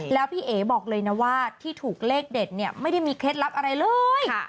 แล้วพี่เอ๋บอกเลยนะว่าที่ถูกเลขเด็ดเนี่ยไม่ได้มีเคล็ดลับอะไรเลย